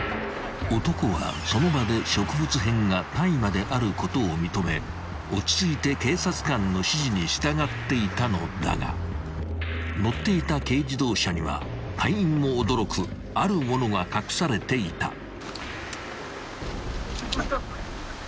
［男はその場で植物片が大麻であることを認め落ち着いて警察官の指示に従っていたのだが乗っていた軽自動車には隊員も驚くある物が隠されていた］